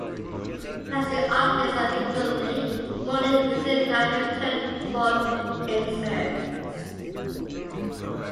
Plastic optics are frequently molded using diamond turned mold inserts.